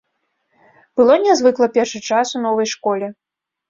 Было нязвыкла першы час у новай школе.